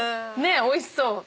おいしそう。